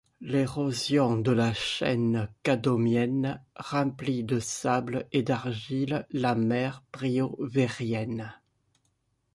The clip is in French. L'érosion de la chaîne cadomienne remplit de sables et d'argiles la mer briovérienne.